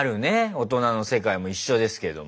大人の世界も一緒ですけども。